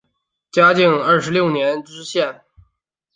嘉靖二十六年知县。